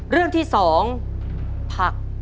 เรื่องที่๒ผัก